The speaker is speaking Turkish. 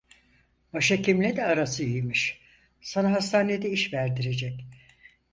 Başhekimle de arası iyi imiş, sana hastanede iş verdirecek.